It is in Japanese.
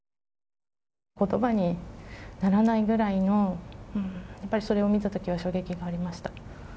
ことばにならないぐらいの、やっぱりそれを見たときは衝撃がありました。